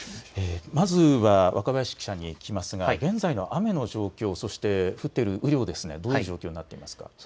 まずは若林記者に聞きますが現在の雨の状況、そして降っている雨量、どういう状況になっていますか。